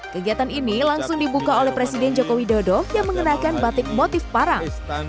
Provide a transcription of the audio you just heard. kegiatan ini langsung dibuka oleh presiden joko widodo yang mengenakan batik motif parang